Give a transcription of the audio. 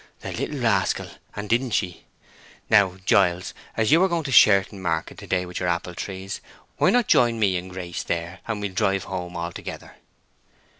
The little rascal, and didn't she! Now, Giles, as you are going to Sherton market to day with your apple trees, why not join me and Grace there, and we'll drive home all together?"